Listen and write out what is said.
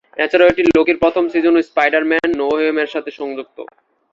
এছাড়াও এটি "লোকি"র প্রথম সিজন ও "Spider Man: No Way Home" এর সাথে সংযুক্ত।